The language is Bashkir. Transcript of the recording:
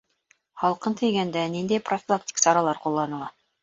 Һалҡын тейгәндә ниндәй профилактик саралар ҡулланыла?